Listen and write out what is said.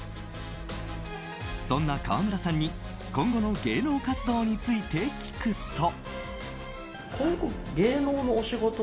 そんな川村さんに今後の芸能活動について聞くと。